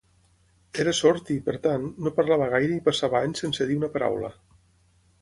Era sord i, per tant, no parlava gaire i passava anys sense dir una paraula.